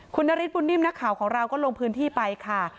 คุณนฤทธบุญนิ่มนักข่าวของเราก็ลงพื้นที่ไปค่ะ